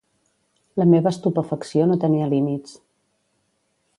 La meva estupefacció no tenia límits.